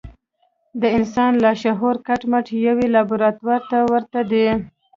د انسان لاشعور کټ مټ يوې لابراتوار ته ورته دی.